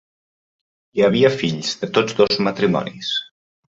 Hi havia fills de tots dos matrimonis.